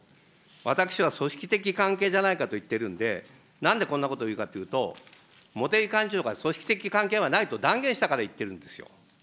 私は組織的関係じゃないかと言ってるんで、なんでこんなことを言うかというと、茂木幹事長が組織的関係はないと断言したから言ってるんですよ。